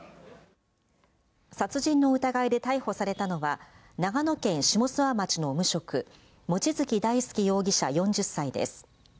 殺人の疑いで逮捕されたのは、長野県下諏訪町の無職、望月大輔容疑者４０歳です。